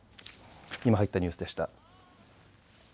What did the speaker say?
今入ったニュースでした。